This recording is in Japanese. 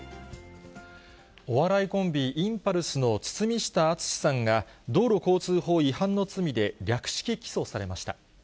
お笑いコンビ、インパルスの堤下敦さんが、道路交通法違反の罪で略式起訴されました。